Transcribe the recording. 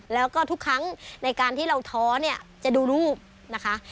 แล้วก็ทุกครั้งในการที่เราท้อเนี่ยจะดูรูปนะคะ